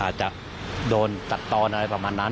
อาจจะโดนสัดตอในประมาณนั้น